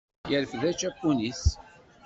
Yerfed acapun-is.